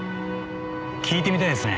聞いてみたいですね。